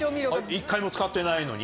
一回も使ってないのに？